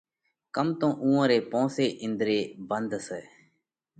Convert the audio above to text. ڪم تو اُوئون ري پونس ئي انۮري ڀنڌ سئہ۔